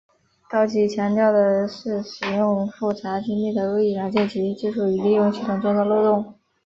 高级强调的是使用复杂精密的恶意软件及技术以利用系统中的漏洞。